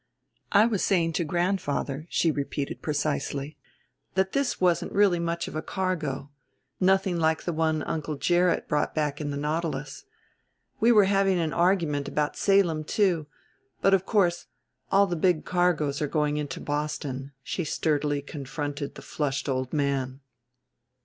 "I was saying to grandfather," she repeated precisely, "that this wasn't really much of a cargo. Nothing like the one Uncle Gerrit brought back in the Nautilus. We were having an argument about Salem too. But, of course, all the big cargoes are going into Boston," she sturdily confronted the flushed old man.